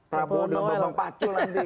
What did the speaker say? prabowo dan bang pacul nanti